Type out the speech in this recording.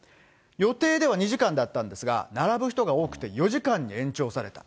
予定では２時間だったんですが、並ぶ人が多くて、４時間に延長された。